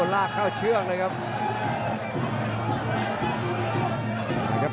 ลากเข้าเชือกเลยครับ